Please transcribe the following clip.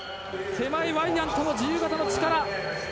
手前、ワイヤントの自由形の力。